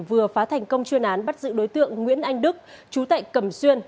vừa phá thành công chuyên án bắt giữ đối tượng nguyễn anh đức chú tệ cầm xuyên